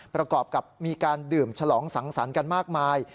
ประกอบกับมีการดื่มฉลองสังสรรค์กันมากมาย